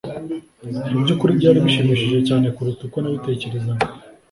Mubyukuri byari bishimishije cyane kuruta uko nabitekerezaga.